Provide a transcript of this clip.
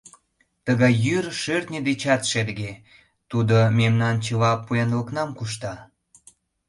Тыгай йӱр шӧртньӧ дечат шерге, тудо мемнан чыла поянлыкнам кушта.